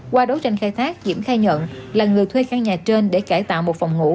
qua đấu tranh khai thác diễm khai nhận là người thuê căn nhà trên để cải tạo một phòng ngủ